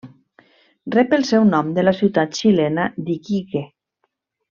Rep el seu nom de la ciutat xilena d'Iquique.